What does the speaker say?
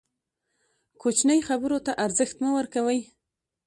کوچنۍ خبرو ته ارزښت مه ورکوئ!